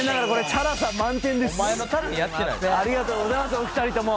ありがとうございますお二人とも。